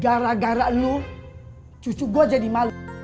gara gara lu cucu gua jadi malu